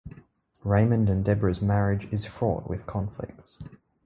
Raymond and Debra's marriage is fraught with conflicts.